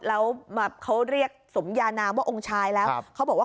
แล้วเขาเรียกสมยานามว่าองค์ชายแล้ว